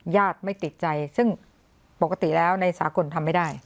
ญาติไม่ติดใจซึ่งปกติแล้วในสากลทำไม่ได้